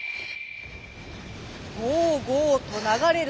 ごうごうとながれる